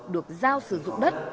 được giao sử dụng đất